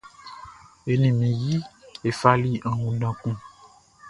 E ni mi yi e fali akunndan kun.